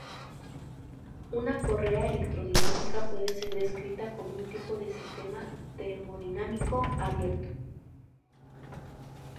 Una correa electrodinámica puede ser descrita como un tipo de sistema termodinámico abierto.